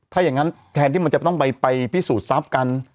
ถ้าอย่างนั้นแทนที่มันจะต้องไปพิสูจน์ทรัพย์กัน